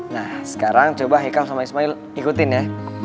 nah sekarang coba hikam sama ismail ikutin ya